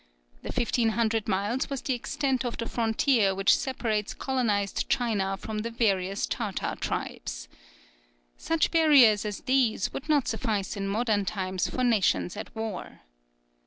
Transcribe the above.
The fifteen hundred miles was the extent of the frontier which separates colonized China from the various Tartar tribes. Such barriers as these would not suffice in modern times for nations at war.